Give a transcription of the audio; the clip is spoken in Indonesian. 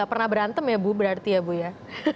pernah berantem ya bu berarti ya bu ya